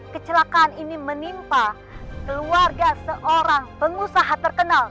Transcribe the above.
kecelakaan ini menimpa keluarga seorang pengusaha terkenal